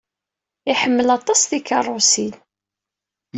Iḥemmel aṭas tikeṛṛusin.